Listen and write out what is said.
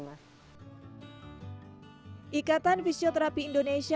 hai ikatan fisioterapi indonesia